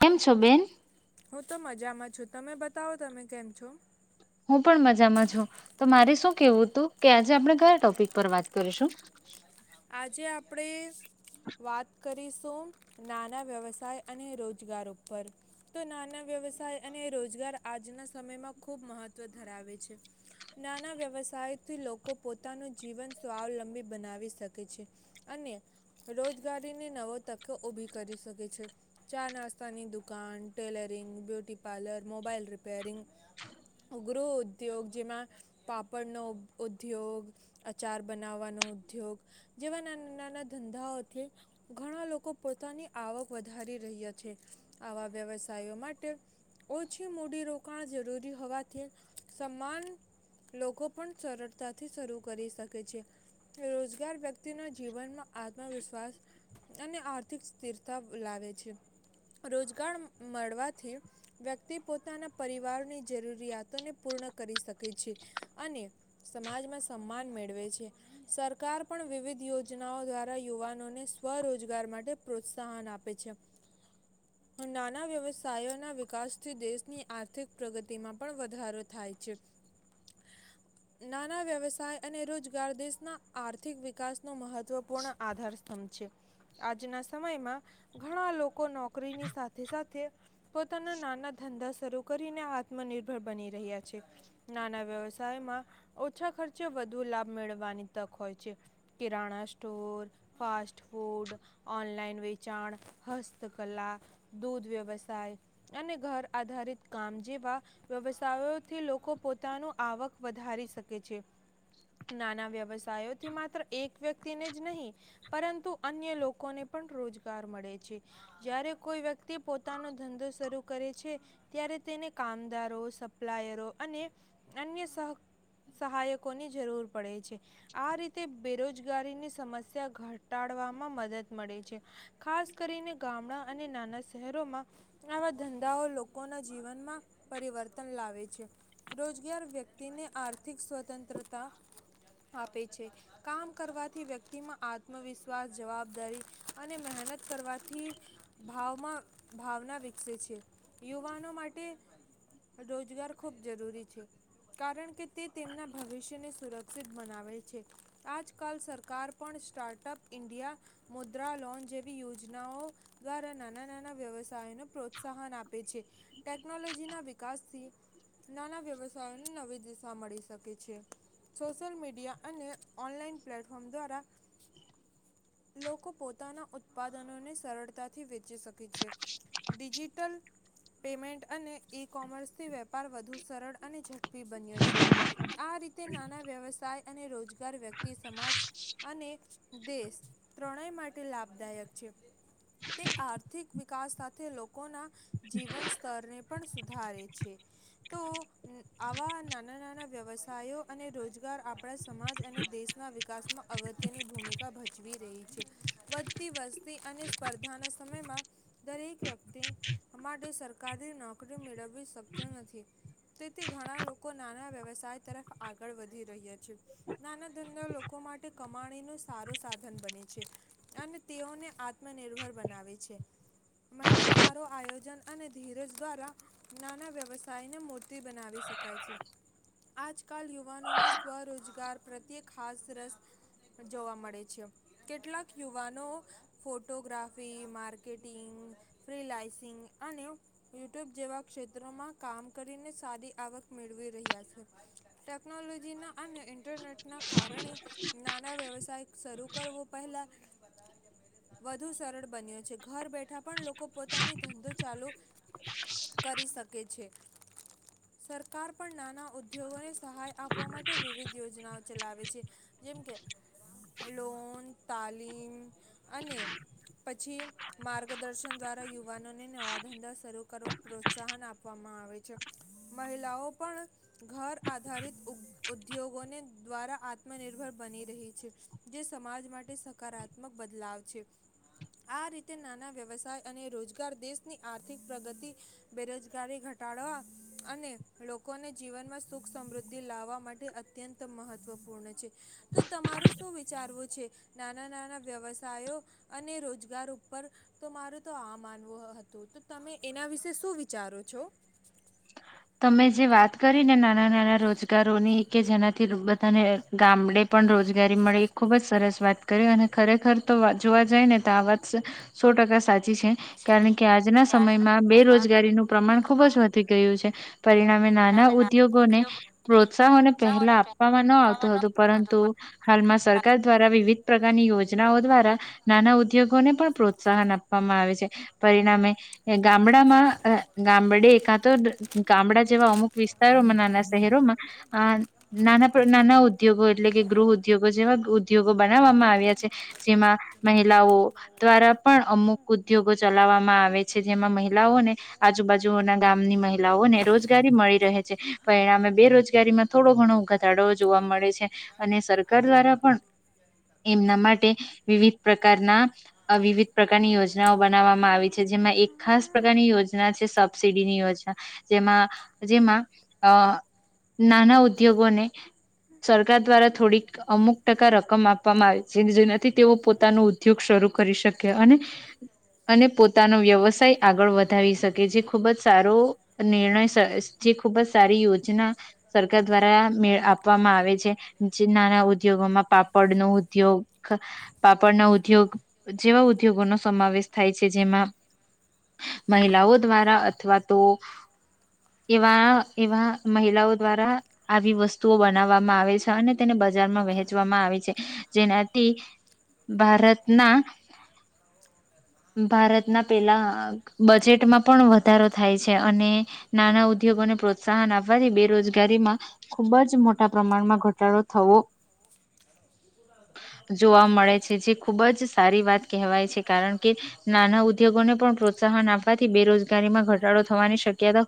કેમ છો બેન? હું તો મજામાં છું. તમે બતાવો તમે કેમ છો? હું પણ મજામાં છું. તો મારે શું કેવું તું, કે આજે આપણે કયા ટોપિક પર વાત કરીશું? આજે આપડે વાત કરીશ તો નાના વ્યવસાય અને રોજગાર ઉપર. તો નાના વ્યવસાય અને રોજગાર આજના સમયમાં ખૂબ મહત્ત્વ ધરાવે છે. નાના વ્યવસાયથી લોકો પોતાનું જીવન સ્વાવલંબી બનાવી શક તે છે અને રોજગારીને નવો તકો ઉભી કરી શકે છે. ચા નાસ્તાની દુકાન, tailoring, beauty parlour, mobile repairing, ગૃહ ઉદ્યોગ જેમાં પાપડનો ઉદ્યોગ, અચાર બનાવવાનો ઉદ્યોગ જેવા નાના-નાના ધંધાઓથી ઘણા લોકો પોતાની આવક વધારી રહ્યાં છે. આવા વ્યવસાયો માટે ઓછી મૂડીરોક કોણ જરૂરી હોવાથી સમાન લોકો પણ સરળતાથી શરૂ કરી શકે છે. એ રોજ ત્યારબદ ક્તિ ના જીવનમાં આત્મવિશ્વાસ અને આર્થિક સ્થીરતા લાવે છે. રોજગાર મળવાથી વ્યક્તિ પોતાના પરિવારની જરૂરિયાતોને પૂર્ણ કરી શકે છે. અને સમાજમાં સમ્માન મેળવે છે. સરકાર પણ વિવિધ યોજનાઓ દ્વારા યુવાનોને સ્વરોજગાર માટે પ્રોત્સાહન આપે છે. નાના વ્યવસાયોના વિકાસથી દેશની આર્થિક પ્રગતિમાં પણ વધારો થાય છે. નાના વ્યવસાય અને રોજગાર દેશના આર ર્થિક વિકાસ નો મહત્વપૂર્ણ આધાર સ્તંભ છે. આજના સમયમાં ઘણા લોકો નોકરીની સાથે-સાથે પોતાના નાના ધંધા શરૂ કરીને આત્મનિર્ભર બની રહ્યા છે. એ નાના વ્યવસ તાય માં ઓછા ખર્ચે વધુ લાભ મેળવાની તક હોય છે. Kirana store, fast food, online વેચાણ, હસ્તકલા, દૂધ વ્યવસાય અને ઘર આધારિત કામ જેવા વ્યવસાયોથી લોકો પોતાની આવક વધારી શકે છે. નાના વ્યવસાયો થી માત્ર એક વ્યક્તિને જ નહીં, પરંતુ અન્ય લોકોને પણ રોજગાર મળે છે. જ્યારે કોઈ વ્યક્તિ પોતાનો ધંધો શરૂ કરે છે, ત્યારે તેને કામદારો સપ્લાયરો અને અન્ય સહક-સહાયકોની જરૂર પડે છે. એ. આ રીત બેરોજગારીની સમસ્યા ઘટ ઘટાડવામાં મદદ મળે છે. ખાસ કરીને ગામડા અને નાના શહેરોમાં આવા ધંધાઓ લોકોના જીવનમાં પરિવર્તન લાવે છે. રોજગાર વ્યક્તિને આર્થિક સ્વતંત્રતા આપે છે. કામ કરવાથી વ્યક્તિમાં આત્મવિશ્વાસ જવાબદારી અને મહેનત કરવાથી ભાવમાં-ભાવના વિ યુવાનો માટે રોજગાર ખૂબ જરૂરી છે કારણ કે તે તેમના ભવિષ્યને સુરક્ષિત બનાવે છે આજકાલ સરકાર પણ સ્ટાર્ટઅપ ઇન્ડિયા મુદ્રા લોન જેવી યોજનાઓ દ્વારા નાના નાના વ્યવસ્ સાય ને પ્રોત્સાહન આપે છે ટેકનોલોજીના વિકાસથી નાના વ્યવસાય પણ નવી દિશા મળી શકે છે સોશિયલ મીડિયા અને ઓનલાન પ્લેટફોર્મ દ્વારા લોકો પોતાના ઉત્પાદનોને સરળતાથી વેચી શકે છે ડિજિટલ પેમેન્ટ અને ઈ કોમર્સથી વેપાર વધુ સરળ અને ઝડપી બન્યો છે આ રીતે નાના વ્યવસાય અને રોજ [unintelligible] વ્યક્તિ સમાજ અને દેશ ત્રણેય માટે લાભદાયક છે તે આર્થિક વિકાસ સાથે લોકોના જીવન સ્તરને પણ સુધારે છે તો આવા નાના નાના વ્યવસાયો અને રોજગાર આપણા સમાજ અને દેશના વિકાસમાં અગત્યની ભૂમિકા ભજવી રહી છે વધતી વસતી અને સ્પર્ધાના સમયમાં દરેક વ્યક્તિ માટે સરકારી નોકરી મેળવીવી શક્ય નથી તેથી ઘણા લોકો નાના વ્યવસાય તરફ આગળ વધી રહ્યા છે નાના ધંધના લોકો માટે કમાણીનું સારો સાધન બને છે અને તેઓને આત્મનિર્ભર બનાવે છે મહેનત સારો આયોજન અને ધીરજ દ્વારા નાના વ્યવસાયને મૂર્તિ બનાવી શકે શકાય છે આજ કાલ યુવાનોમાં સ્વરોજગાર પ્રત્યે ખાસ રસ જોવા મળે છે કેટલાક યુવાનો ફોટોગ્રાફી માર્કેટિંગ ફ્રીલાઈસિંગ અને યુટ્યુબ જેવા ક્ષેત્રોમાં કામ કરીને સારી આવક મેળવી રહ્યા છે ટેકનોલોજીના આ ન ઇન્ટરનેટના કારણે નાના વ્યવસાય શરૂ કરવો પહેલાં વધુ સરળ બન્યો છે ઘર બેઠા પણ લોકો પોતાની ધંધો ચાલુ કરી શકે છે સરકાર પણ નાના ઉદ્યોગોને સહાય આપવા માટે વિવિધ યોજનાઓ ચલાવે છે જેમકે લોન તાલીમ અને પછી માર્ગદર્શન દ્વારા યુવાનોને નવા ધંધા શરૂ કરવા પ્રોત્સાહન આપવામાં આવે છે મહિલાઓ પણ ઘર આધારિત ઉત-ઉત ઉદ્યોગોને દ્વારા આત્મનિર્ભર બની રહી છે, જે સમાજ માટે સકારાત્મક બદલાવ છે. આ રીતે નાના વ્યવસાય અને રોજગાર દેશની આર્થિક પ્રગતિ, બેરોજગારી ઘટાડવા અને લોકોને જીવનમાં સુખ સમૃદ્ધિ લાવવા માટે અત અત્યંત મહત્ત્વપૂર્ણ છે. તો તમારું શું વિ વિચારવું છે નાના નાના વ્યવસાયો અને રોજગાર ઉપર. તો મારું તો આ માનવું હતું. તો તમે એના વિશે શું વિચારો છો? તમે જે વાત કરી ને નાના નાના રોજગારોની, કે જેનાથી બધાને ગામડે પણ રોજગારી મળી, ખુબ જ સરસ વાત કરી. અને ખરેખર તો જોવા જાય ને, તો આ વાત સો ટકા સાચી છે. સાચી છે કારણ કે આજના સમયમાં બેરોજગારીનું પ્રમાણ ખુબ જ વધી રહ્યું... પરિણામે, નાના ઉદ્યોગોને પ્રોત્સાહને પહેલા આપવામાં ન આવતું હતું, પરંતુ હાલમાં સરકાર દ્વારા વિવિધ પ્રકારની યોજનાઓ દ્વારા નાના ઉદ્યોગોને પણ પ્રોત્સાહન આપવામાં આવે છે. પરિણામે, ગામડામાં ગામડે એકા તો ગામડા જેવા અમુક વિસ્તારોમાં, નાના શહેરોમાં, નાના નાના ઉદ્યોગો, એટલે કે ગૃહ ઉદ્યોગો જેવા ઉદ્યોગો બનાવવામાં આવ્યા છે, જેમાં મહિલાઓ દ્વારા પણ અમુક ઉદ્યોગો ચલાવવામાં આવે છે, જેમાં મહિલાઓને આજુબાજુના મહિલાઓને રોજગારી મળી રહે છે. પરિણામે, બેરોજગારીમાં થોડો ઘણો ઘટાડો જોવા મળે છે. અને સરકાર દ્વારા પણ એમના માટે વિવિધ પ્રકારના વિવિધ પ્રકારની યોજનાઓ બનાવવામાં આવી છે, જેમાં એક ખાસ પ્રકારની યોજના છે સ... સબસિડી યોજના, જેમાં નાના ઉદ્યોગોને સરકાર દ્વારા થોડીક અમુક ટકા રકમ રકમ આપવામાં આવે, જેનાથી તેઓ પોતાનો ઉદ્યોગ શરૂ કરી શકે અને અને પોતાનો વ્યવસાય આગળ વધાવી શકે, જે ખૂબ જ સારો નિર્ણય છે. ખૂબ જ સારી યોજના સરકાર દ્વારા મે આપવામાં આવે છે, જે નાના ઉદ્યોગોમાં પાપડ નો ઉદ્યોગ પાપડનો ઉદ્યોગ જેવા ઉદ્યોગો નો સમાવેશ થાય છે, જેમાં મહિલાઓ દ્વારા અથવા તો એવા એવા મહિલાઓ દ્વારા આવી વસ્તુઓ બનાવવામાં આવે છે અને તેને બજારમાં વહેંચવામાં આવે છે, જેનાથી ભારતના ભારતના પેલા બજેટમાં પણ વધારો થાય છે, અને નાના ઉ ઉદ્યોગોને પ્રોત્સાહન આપવાથી બેરોજગારીમાં ખૂબ જ મોટા પ્રમાણમાં ઘટાડો થવો જોવા મળે છે, જે ખૂબ જ સારી વાત કહેવાય છે. કારણ કે નાના ઉદ્યોગોને પણ પ્રોત્સાહન આપવાથી બેરોજગારી ઘરેમા ઘટાડો થવાની શક્યતા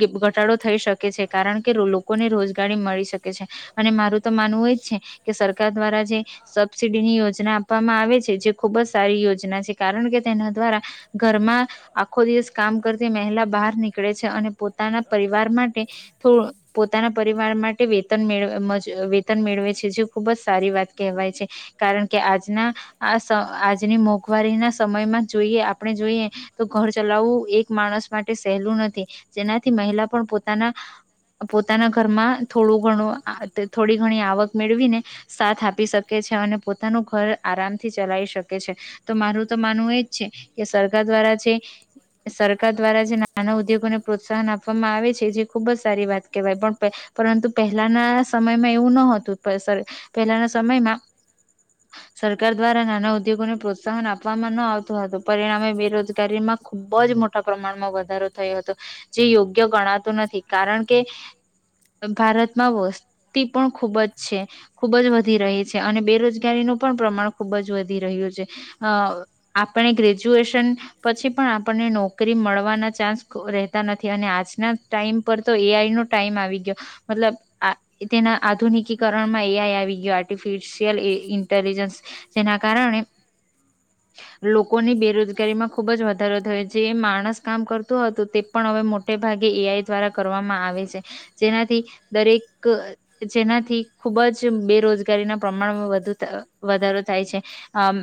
ઘટાડો થઈ શકે છે, કારણ કે લોકોને રોજગારી મળી શકે છે. અને મારું તો માનવું એજ છે કે સરકાર દ્વારા જે સબસીડીની યોજના આપવામાં આવે છે, જે ખુબ જ સારી યોજના છે, કારણ કે તેના દ્વારા ઘરમાં આખો દિવસ કામ કરતી મહિલા બહાર નીકળે છે અને પોતાના પરિવાર માટે તો પોતાના પરિવાર માટે વેતન મેડ વયત્ન મેળવે છે, જે ખુબજ સારી વાત કહેવાય છે. કારણ કે આજના આ આજની મોંઘવારીના સમયમાં, જો આપણે જોઈએ, તો ઘર ચલાવવું એક માણસ માટે સહેલું નથી, જેનાથી મહિલા પણ પોતાના પોતાના ઘરમાં થોડું ઘણું આતે થોડી ઘણી આવક મેળવીને સાથ આપી શકે છે અને પોતાનું ઘર આરામથી ચલાવી શકે છે. તો મારું તો માનવું એજ છે કે સરકાર દ્વારા જે... સરકાર દ્વારા જે નાના ઉદ્યોગોને પ્રોત્સાહન આપવામાં આવે છે, જે ખુબ જ સારી વાત કહેવાય. પણ પ પરંતુ પહેલાના સમયમાં એવું ન હતું. પર સર પહેલાના સમયમાં સરકાર દ્વારા નાના ઉદ્યોગોને પ્રોત્સાહન આપવામાં ન આવતું હતું. પરિણામે બેરોજગારીમાં ખૂબ બહુ જ મોટા પ્રમાણમાં વધારો થયો હતો, જે યોગ્ય ગણાતું નથી. કારણ કે ભારતમાં વસ્તી પણ ખૂબ જ છે ખૂબ જ વધી રહી છે, અને બેરોજગારીનું પણ પ્રમાણ ખૂબ જ વધી રહ્યું છે. અ આપણે ગ્રેજ્યુએશન પછી પણ નોકરી મળવાના ચાન્સ રહેતા નથી અને આજના ટાઈમ પર તો એ આઈ નો ટાઈમ આવી ગયો મતલબ આ તેના આધુનિકીકરણમાં એ આઈ આવી ગયો આર્ટિફિશિયલ ઇન્ટેલિજન્સ જેના કારણે લોકોની બેરોજગારીમાં ખુબ જ વધારો જે માણસ કામ કરતું હતો, તે પણ હવે મોટે ભાગે એઆઈ દ્વારા કરવામાં આવે છે. જેનાથી દરેક જેનાથી ખુબ જ બેરોજગારીના પ્રમાણમાં વધુ વધારો થાય છે. અમ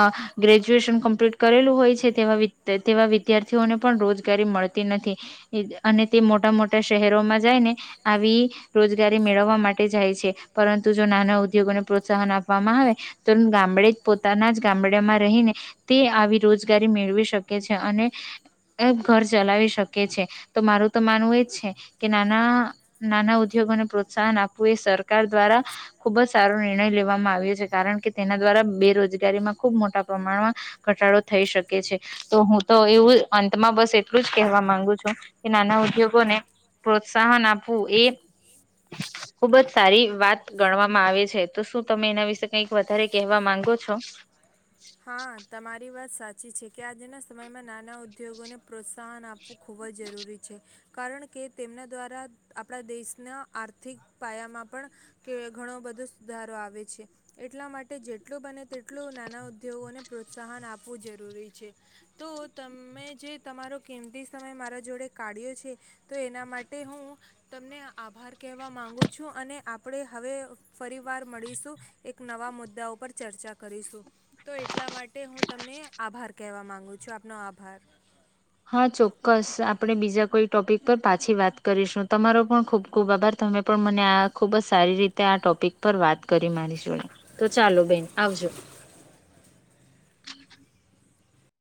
અ ગ્રેજ્યુએશન કમ્પ્લીટ કરેલું હોય છે. તેવા વિદ્યાર્થીઓને પણ રોજગારી મળતી નથી. અને તે મોટા મોટા શહેરોમાં જઈને આવી રોજગારી મેળવવા માટે જાય છે. પરંતુ જો નાના ઉદ્યોગોને પ્રોત્સાહન આપવામાં આવે તો ગામડે જ, ઊભું પોતાના જ ગામડામાં રહીને તે આવી રોજગારી મેળવી શકે છે અને ઘર ચલાવી શકે છે તો મારું તો માનવું એજ છે. કે નાના નાના ઉદ્યોગોને પ્રોત્સાહન આપવું એ સર સરકાર દ્વારા ખુબ જ સારો નિ નિર્ણય લેવામાં આવ્યો છે. કારણ કે તેના દ્વારા બેરોજગારીમાં ખુબ મોટા પ્રમાણમાં ઘટાડો થઈ શકે છે. તો હું તો એવું અંતમાં બસ એટલું જ કહેવા માંગુ છું કે નાના ઉદ્યોગોને પ્રોત્સાહન આપવું એ ખુબ જ સારી વાત ગણવામાં આવે છે. તો શું તમે એના વિશે કંઈક વધારે કહેવા માંગો છો? હા, તમારી વાત સાચી છે. કે આજેના સમયમાં નાના ઉદ્યોગોને પ્રોત્સાહન આપવું ખૂબ જ જરૂરી છે. કારણ કે તેમના દ્વારા આપણા દેશના આર્થિક પાયામાં પણ કે ઘણો બધો સુધારો આવે છે. એટલા માટે જેટલું બને તેટલું નાના પ્રોત્સાહન આપવું જરૂરી છે, તો તમે જે તમારો કિંમતી સમય મારા જોડે કાઢ્યો છે, તો એના માટે હું તમને આભાર કહેવા માંગુ છું. અને આપણે હવે ફરી વાર મળીશું એક નવા મુદ્દા ઉપર ચર્ચા કરીશું. તો એટલા માટે હું તમને આભાર કહેવા માંગુ છું. આપનો આભાર. હા, ચોક્કસ આપણે બીજા કોઈ ટોપિક પર પાછી વાત કરીશું. તમારો પણ ખુબ ખુબ આભાર તમે પણ મને આ ખુબ જ સારી રીતે આ ટોપિક પર વાત કરી મારી જોડે ચાલો બેન આવજો.